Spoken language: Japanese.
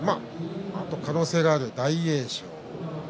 可能性がある大栄翔